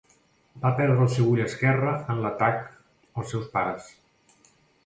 Va perdre el seu ull esquerre en l'atac als seus pares.